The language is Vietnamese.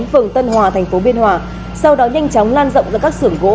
phường tân hòa thành phố biên hòa sau đó nhanh chóng lan rộng ra các xưởng gỗ